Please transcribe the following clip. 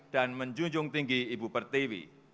dan menjunjung tinggi ibu pertiwi